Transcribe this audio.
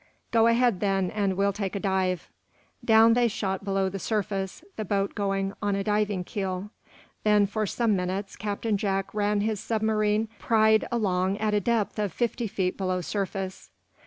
"Go ahead, then, and we'll take a dive." Down they shot below the surface, the boat going on a diving keel. Then, for some minutes, Captain Jack ran his submarine pride along at a depth of fifty feet below surface.